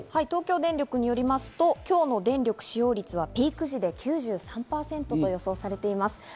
東京電力によりますと、今日の電力使用率はピーク時で９３％と予想されています。